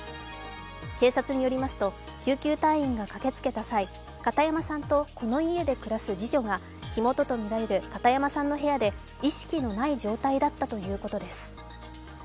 警察によりますと救急隊員が駆けつけた際、片山さんとこの家で暮らす次女が火元とみられる片山さんの部屋で意識のない状態だったということです。